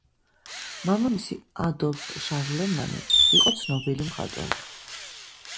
მამამისი ადოლფ შარლემანი იყო ცნობილი მხატვარი.